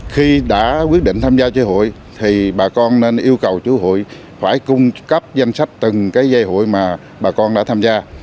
khi đã quyết định tham gia chơi hụi thì bà con nên yêu cầu chủ hội phải cung cấp danh sách từng cái dây hụi mà bà con đã tham gia